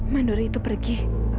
mandor itu pergi